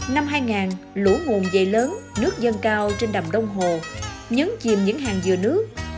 năm hai nghìn lũ nguồn dày lớn nước dâng cao trên đầm đông hồ nhấn chìm những hàng dừa nước